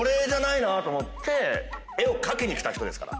絵を描きに来た人ですから。